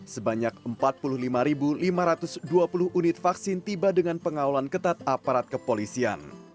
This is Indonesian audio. sebanyak empat puluh lima lima ratus dua puluh unit vaksin tiba dengan pengawalan ketat aparat kepolisian